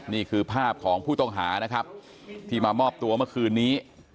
นี่คือภาพของผู้ต้องหานะครับที่มามอบตัวเมื่อคืนนี้